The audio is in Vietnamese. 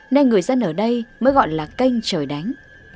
nên người dân ở đây mới gọi là kênh trời đánh